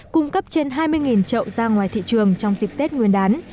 cung cấp trên hai mươi trậu ra ngoài thị trường trong dịp tết nguyên đán